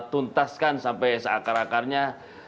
tuntaskan sampai seakar akarnya